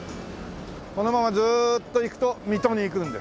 このままずっと行くと水戸に行くんです。